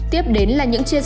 tiếp đến là những người đàn ông